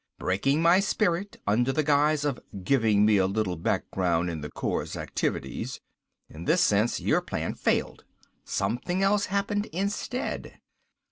Breaking my spirit under the guise of 'giving me a little background in the Corps' activities.' In this sense your plan failed. Something else happened instead.